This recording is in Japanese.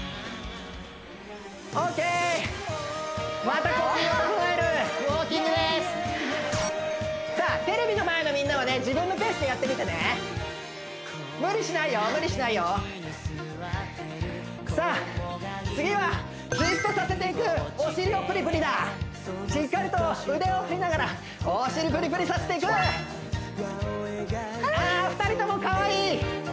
また呼吸を整えるウォーキングですさあテレビの前のみんなは自分のペースでやってみてね無理しないよ無理しないよさあ次はツイストさせていくお尻をぷりぷりだしっかりと腕を振りながらお尻ぷりぷりさせていくああ２人ともかわいい！